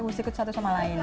harus ikut satu sama lain